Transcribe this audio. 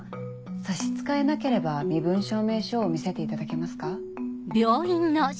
差し支えなければ身分証明書を見せていただけますか。